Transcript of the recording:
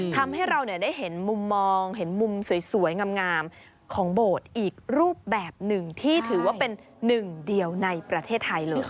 ทำให้เราได้เห็นมุมมองเห็นมุมสวยงามของโบสถ์อีกรูปแบบหนึ่งที่ถือว่าเป็นหนึ่งเดียวในประเทศไทยเลย